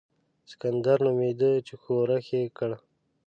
سکندر نومېدی چې ښورښ یې کړ.